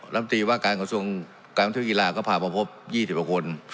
น้ำตีว่าการกระทรวงการมันเที่ยวกีฬาก็พามาพบยี่สิบหกคน